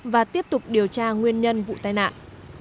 và tiếp tục điều tra nguyên nhân vụ tai nạn